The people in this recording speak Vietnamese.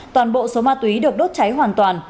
toàn bộ số ma túy được đốt cháy hoàn toàn